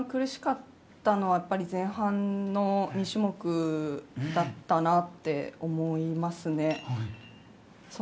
一番苦しかったのは前半の２種目だったなって思います。